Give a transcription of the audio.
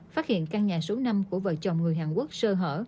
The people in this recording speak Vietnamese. phát hiện căn nhà số năm của vợ chồng người hàn quốc sơ hở